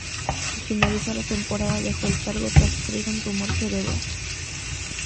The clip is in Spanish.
Al finalizar la temporada dejó el cargo tras sufrir un tumor cerebral.